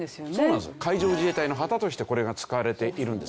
海上自衛隊の旗としてこれが使われているんですね。